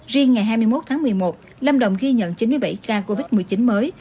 riêng ngày hai mươi một tháng một mươi một lâm đồng ghi nhận chín mươi bảy ca covid một mươi chín mới